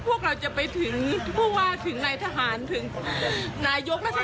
พวกเราจะไปถึงพวกเราจะไปถึงในทหารถึงหนายกมัศนตรี